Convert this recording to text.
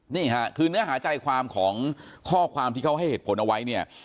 นี่ค่ะคือเนื้อหาใจความของข้อความที่เขาให้เหตุผลเอาไว้เนี่ย